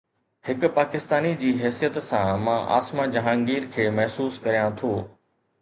هڪ پاڪستاني جي حيثيت سان مان عاصمه جهانگير کي محسوس ڪريان ٿو.